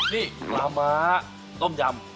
นี่ปลาม้าต้มยำ